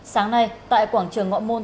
sáng nay tại quảng trường ngõ môn